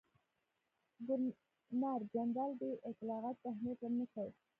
ګورنرجنرال دې اطلاعاتو ته اهمیت ورنه کړ.